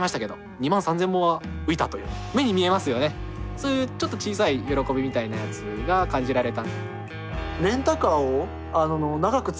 そういうちょっと小さい喜びみたいなやつが感じられた。